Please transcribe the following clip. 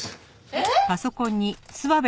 えっ！？